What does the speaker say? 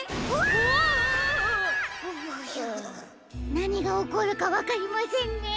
なにがおこるかわかりませんね。